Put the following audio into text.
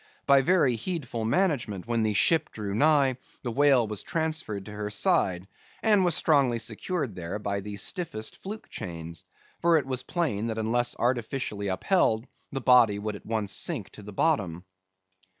By very heedful management, when the ship drew nigh, the whale was transferred to her side, and was strongly secured there by the stiffest fluke chains, for it was plain that unless artificially upheld, the body would at once sink to the bottom.